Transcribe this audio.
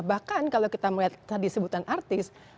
bahkan kalau kita melihat tadi sebutan artis